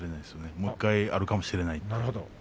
もう一度あるかもしれないと。